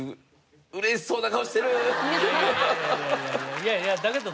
いやいやだけどね